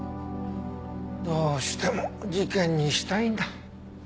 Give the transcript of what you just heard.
どうしても事件にしたいんだ？